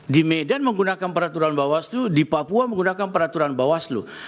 di medan menggunakan peraturan bawaslu di papua menggunakan peraturan bawaslu